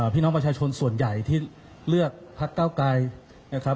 พี่น้องประชาชนส่วนใหญ่ที่เลือกพักเก้าไกรนะครับ